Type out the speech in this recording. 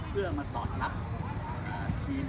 เพื่อมาสอดรับทีม